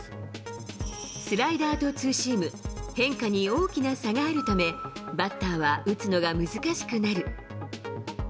スライダーとツーシーム、変化に大きな差があるため、バッターは打つのが難しくなる。